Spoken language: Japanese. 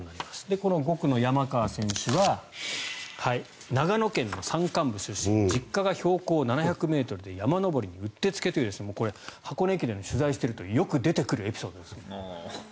この５区の山川選手は長野県の山間部出身実家が標高７００ｍで山登りにうってつけという箱根駅伝を取材してるとよく出てくるエピソードです。